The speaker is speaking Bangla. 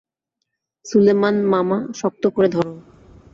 সুলেমান, মামা, শক্ত করে ধরো!